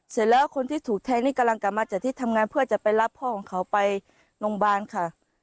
เสร็จแล้วคนที่ถูกแทงนี่กำลังกลับมาจากที่ทำงานเพื่อจะไปรับพ่อของเขาไปโรงพยาบาลค่ะ